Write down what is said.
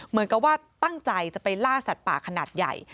เหมือนกับว่าตั้งใจจะไปล่าสัตว์ป่าขนาดใหญ่